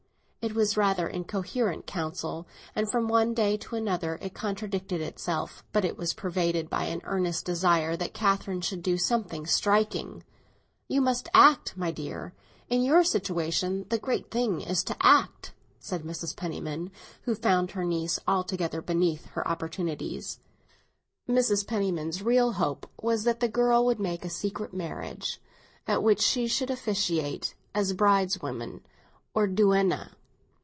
It was rather incoherent counsel, and from one day to another it contradicted itself; but it was pervaded by an earnest desire that Catherine should do something striking. "You must act, my dear; in your situation the great thing is to act," said Mrs. Penniman, who found her niece altogether beneath her opportunities. Mrs. Penniman's real hope was that the girl would make a secret marriage, at which she should officiate as brideswoman or duenna.